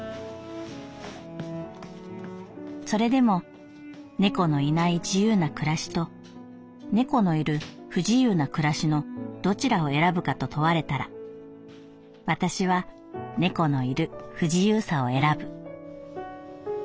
「それでも猫のいない自由な暮らしと猫のいる不自由な暮らしのどちらを選ぶかと問われたら私は猫のいる不自由さを選ぶ」。